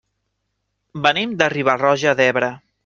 Venim de Riba-roja d'Ebre.